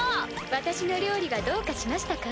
私の料理がどうかしましたか？